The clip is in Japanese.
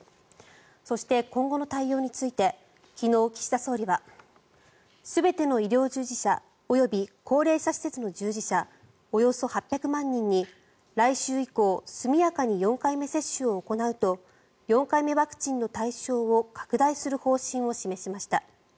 そして、今後の対応について昨日、岸田総理は全ての医療従事者及び高齢者施設の従事者およそ８００万人に来週以降速やかに４回目接種を行うと４回目ワクチンの対象を拡大する方針を示しました。